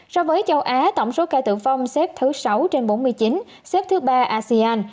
so với châu á tổng số ca tử vong xếp thứ sáu trên bốn mươi chín xếp thứ ba asean